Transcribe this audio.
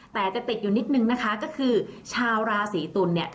แต่จะติดอยู่นิดนึงนะคะก็คือชาวราศีตุลเนี่ย